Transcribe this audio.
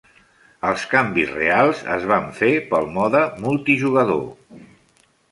Els canvis reals es van fer pels mode multijugador.